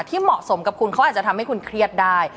เหมาะสมกับคุณเขาอาจจะทำให้คุณเครียดได้